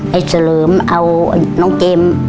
ไอ้เสลิมเอาน้องเจมส์